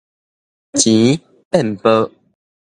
錢變薄